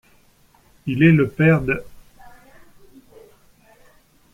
Il est le père d'.